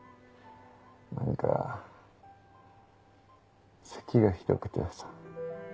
何かせきがひどくてさ。